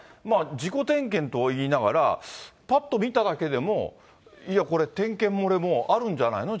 自己点検といいながら、ぱっと見ただけでも、いやこれ、点検漏れ、もうあるんじゃないの？